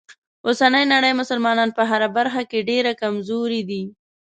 اوسنۍ نړۍ مسلمانان په هره برخه کې ډیره کمزوری دي.